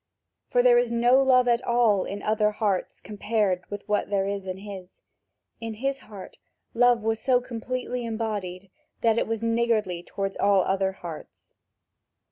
For there is no love at all in other hearts compared with what there is in his; in his heart love was so completely embodied that it was niggardly toward all other hearts.